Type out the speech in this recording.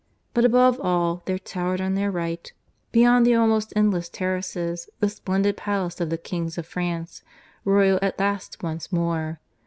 But above all there towered on their right, beyond the almost endless terraces, the splendid palace of the kings of France, royal at last once more.